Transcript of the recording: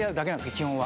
基本は。